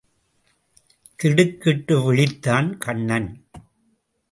திடுக்கிட்டு விழித்தான் கண்ணன்.